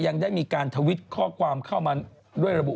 ยังได้มีการทวิตข้อความเข้ามาด้วยระบุ